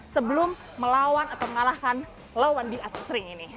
sebelum melawan atau mengalahkan lawan di atas ring ini